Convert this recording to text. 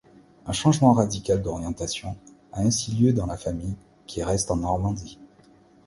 Un changement radical d’orientation a ainsi lieu dans la famille, qui reste en Normandie.